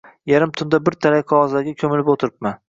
Yarim tunda bir talay qog'ozlarga ko'milib o'tiribman.